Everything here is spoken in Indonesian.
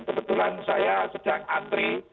kebetulan saya sedang antri